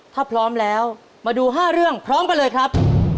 ถ้าพร้อมแล้วมาดู๕เรื่องพร้อมกันเลยครับ